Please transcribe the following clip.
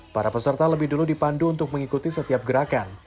para peserta lebih dulu dipandu untuk mengikuti setiap gerakan